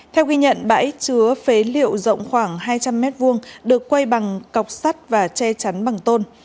theo ghi nhận bãi chứa phế liệu rộng khoảng hai trăm linh m hai được quay bằng cọc sắt và che chắn bằng tôn